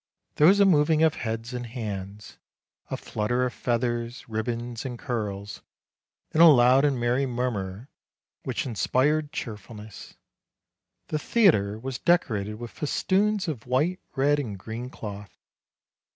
There was a mov ing of heads and hands, a flutter of feathers, ribbons, and curls, and a loud and merry murmur which in spired cheerfulness. The theatre was decorated with festoons of white, red, and green cloth.